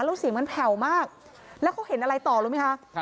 แล้วเสียงมันแผ่วมากแล้วเขาเห็นอะไรต่อรู้ไหมคะ